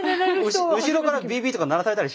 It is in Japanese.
後ろからビービーとか鳴らされたりしない？